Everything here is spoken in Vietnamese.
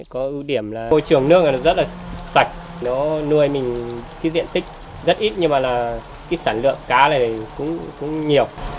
có ưu điểm là hồ trường nước rất sạch nuôi diện tích rất ít nhưng sản lượng cá này cũng nhiều